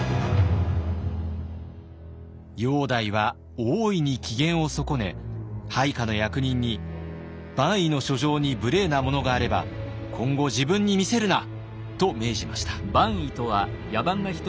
煬帝は大いに機嫌を損ね配下の役人に「蛮夷の書状に無礼なものがあれば今後自分に見せるな」と命じました。